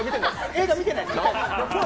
映画、見てないです。